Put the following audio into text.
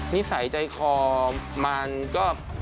นิสัยใจคอมันก็